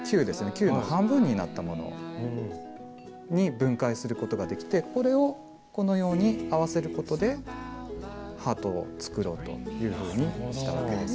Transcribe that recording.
球の半分になったものに分解することができてこれをこのように合わせることでハートを作ろうというふうにしたわけです。